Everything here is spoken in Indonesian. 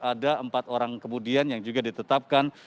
ada empat orang kemudian yang juga ditetapkan